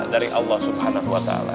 dari allah swt